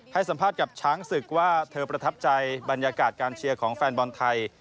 ให้สัมภาษณ์กับช้างศึกว่าเธอประทับใจบรรยากาศการเชียร์ของแฟนบอลไทย